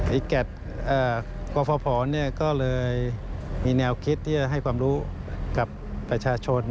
ไอ้แก่ก๊อฟพก็เลยมีแนวคิดให้ความรู้กับประชาชน